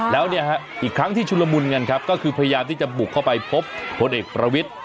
แล้วเนี่ยฮะอีกครั้งที่ชุลมุนกันครับก็คือพยายามที่จะบุกเข้าไปพบพลเอกประวิทธิ์